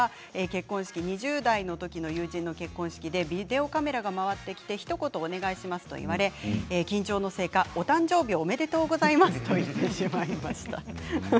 結婚式２０代のときの友人の結婚式でビデオカメラが回ってきてひと言お願いしますと言われ緊張のせいかお誕生日おめでとうございますと言ってしまいました。